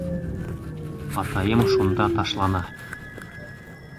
Атайым шунда ташлана.